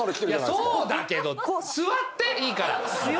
いやそうだけど座っていいから。